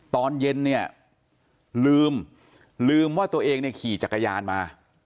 ตอนเย็นเนี่ยลืมลืมว่าตัวเองเนี่ยขี่จักรยานมา